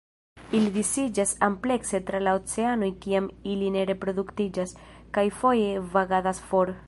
Ili disiĝas amplekse tra la oceanoj kiam ili ne reproduktiĝas, kaj foje vagadas for.